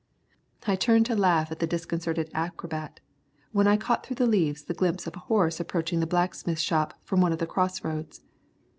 I turned to laugh at the disconcerted acrobat, when I caught through the leaves the glimpse of a horse approaching the blacksmith shop from one of the crossroads.